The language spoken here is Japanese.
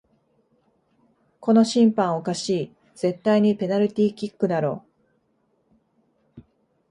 この審判おかしい、絶対にペナルティーキックだろ